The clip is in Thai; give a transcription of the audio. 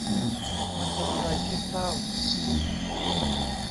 มันเป็นอะไรที่เศร้า